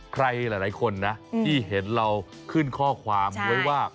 ใครหลายคนนะที่เห็นเราขึ้นข้อความไว้ว่า